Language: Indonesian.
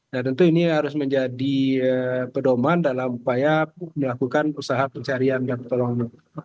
nah tentu ini harus menjadi pedoman dalam upaya melakukan usaha pencarian dan pertolongan